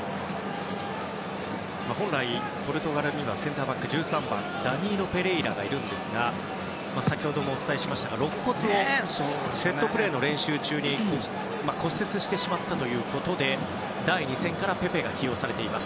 本来、ポルトガルはセンターバック１３番のダニーロ・ペレイラがいるんですが先ほどもお伝えしましたがろっ骨をセットプレーの練習中に骨折してしまったということで第２戦からペペが起用されています。